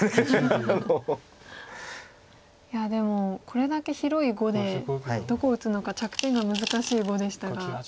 いやでもこれだけ広い碁でどこを打つのか着点が難しい碁でしたが。